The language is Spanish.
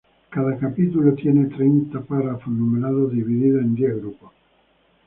Cada capítulo tiene treinta párrafos numerados, divididos en diez grupos.